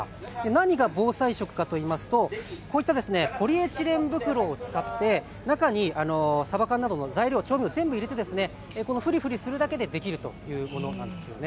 何が防災食かといいますとこういったポリエチレン袋を使って中にさば缶などや調味料を全部入れてふりふりするだけでできるというものなんです。